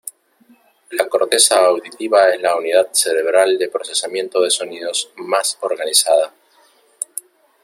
La corteza auditiva es la unidad cerebral de procesamiento de sonidos más organizada.